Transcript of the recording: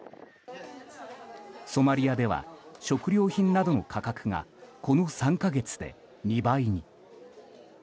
ソマリアでは食料品などの価格がこの３か月で２倍に。